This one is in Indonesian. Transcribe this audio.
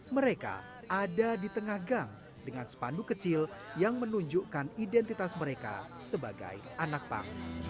mereka ada di tengah gang dengan spanduk kecil yang menunjukkan identitas mereka sebagai anak pang